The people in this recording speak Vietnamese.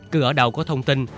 cứ ở đầu có thông tin